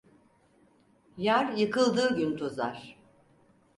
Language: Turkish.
Yar, yıkıldığı gün tozar.